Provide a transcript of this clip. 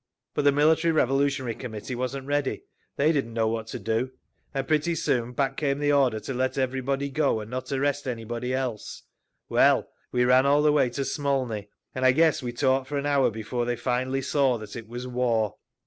But the Military Revolutionary Committee wasn't ready; they didn't know what to do; and pretty soon back came the order to let everybody go and not arrest anybody else. Well, we ran all the way to Smolny, and I guess we talked for an hour before they finally saw that it was war.